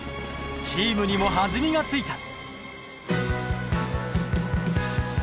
チームにも弾みがついた。